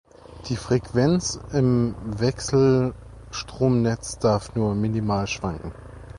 Die Freuquenz im Wechselstromnetz darf nur minimal schwankem.